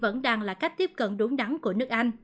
vẫn đang là cách tiếp cận đúng đắn của nước anh